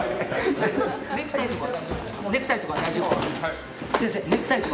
ネクタイとか大丈夫ですか？